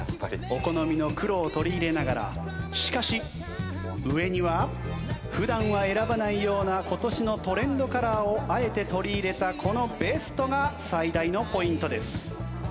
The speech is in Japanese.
お好みの黒を取り入れながらしかし上には普段は選ばないような今年のトレンドカラーをあえて取り入れたこのベストが最大のポイントです。